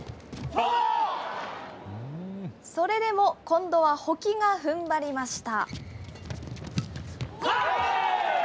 それでも今度は保木がふんばりました。